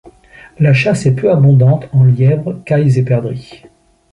La chasse est peu abondante en lièvres, cailles et perdrix.